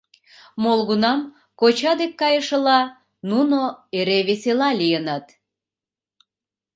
Молгунам, коча дек кайышыла, нуно эре весела лийыныт.